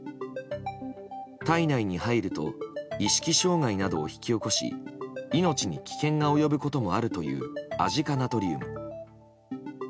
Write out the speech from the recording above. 体内に入ると意識障害などを引き起こし命に危険が及ぶこともあるというアジ化ナトリウム。